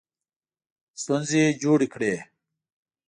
ستونزې جوړې کړې.